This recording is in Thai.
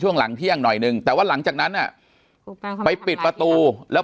หลังเที่ยงหน่อยนึงแต่ว่าหลังจากนั้นอ่ะไปปิดประตูแล้ว